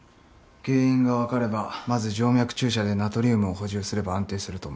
原因が分かればまず静脈注射でナトリウムを補充すれば安定すると思います。